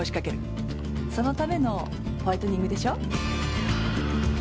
そのためのホワイトニングでしょ？